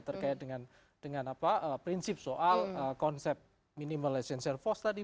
terkait dengan prinsip soal konsep minimal essential force tadi